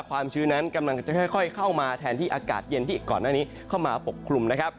ความชื้นนั้นกำลังจะค่อยเข้ามาแทนที่อากาศเย็นที่ก่อนหน้านี้เข้ามาปกคลุมนะครับ